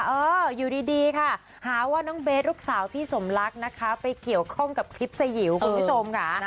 เอออยู่ดีค่ะหาว่าน้องเบสลูกสาวพี่สมรักนะคะไปเกี่ยวข้องกับคลิปสยิวคุณผู้ชมค่ะ